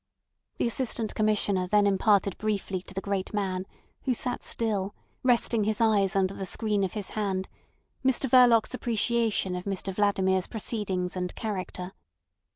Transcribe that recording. The Assistant Commissioner then imparted briefly to the great man, who sat still, resting his eyes under the screen of his hand, Mr Verloc's appreciation of Mr Vladimir's proceedings and character.